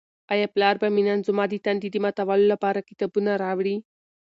آیا پلار به مې نن زما د تندې د ماتولو لپاره کتابونه راوړي؟